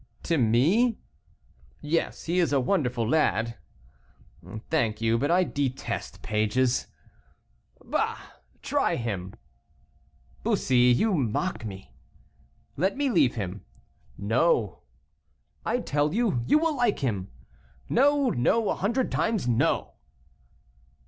"To me?" "Yes, he is a wonderful lad." "Thank you, but I detest pages." "Bah! try him." "Bussy, you mock me." "Let me leave him." "No." "I tell you, you will like him." "No, no, a hundred times, no."